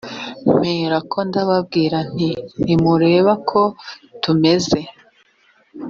mperako ndababwira nti ntimureba ko tumeze